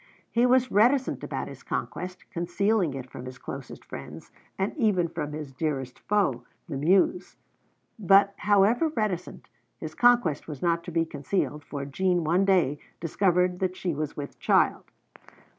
He was reticent about his conquest, concealing it from his closest friends, and even from his dearest foe, the Muse; but however reticent, his conquest was not to be concealed, for Jean one day discovered that she was with child.